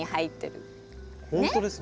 ほんとですね。